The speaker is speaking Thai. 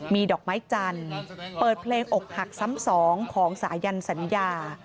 มีดอกไม้จันทร์เปิดเพลงอกหักซ้ำสองของสายันสัญญา